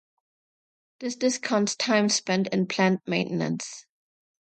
This discounts time spent in planned maintenance.